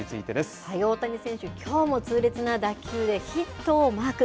大谷選手、きょうも痛烈な打球で、ヒットをマーク。